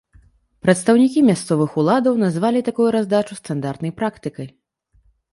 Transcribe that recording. Прадстаўнікі мясцовых уладаў назвалі такую раздачу стандартнай практыкай.